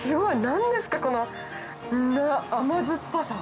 何ですかこの甘酸っぱさ。